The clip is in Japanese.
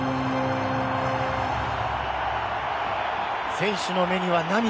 選手の目には涙。